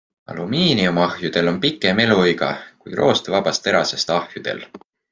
Alumiiniumahjudel on pikem eluiga kui roostevabast terasest ahjudel.